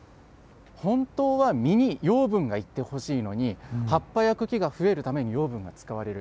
本当は実に養分がいってほしいのに、葉っぱや茎が増えるために養分が使われる。